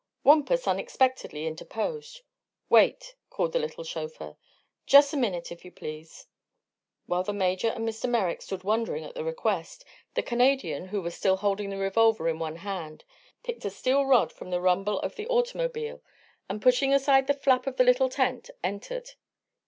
Wampus unexpectedly interposed. "Wait," called the little chauffeur. "Jus' a minute, if you please." While the Major and Mr. Merrick stood wondering at the request, the Canadian, who was still holding the revolver in one hand, picked a steel rod from the rumble of the automobile and pushing aside the flap of the little tent entered.